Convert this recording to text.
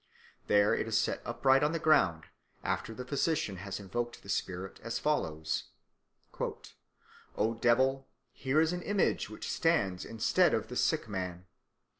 There it is set upright on the ground, after the physician has invoked the spirit as follows: "O devil, here is an image which stands instead of the sick man.